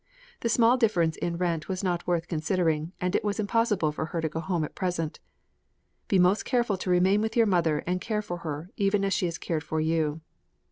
The small difference in rent was not worth considering, and it was impossible for her to go home at present. "Be most careful to remain with your mother and care for her, even as she has cared for you."